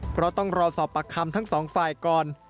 เพราะต้องรอสอบปากคำทั้งสองฝ่ายก่อน